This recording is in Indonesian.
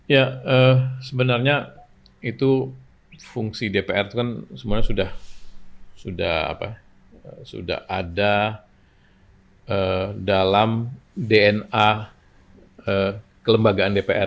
ya sebenarnya itu fungsi dpr itu kan sebenarnya sudah ada dalam dna kelembagaan dpr